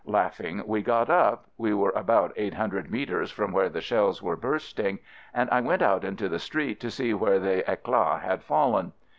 Laughing, we got up — we were about eight hundred metres from where the shells were bursting — and I went out into the street to see where the eclat had fallen.